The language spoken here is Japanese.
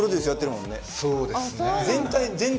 そうですね。